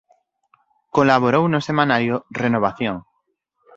Colaborou no semanario "Renovación".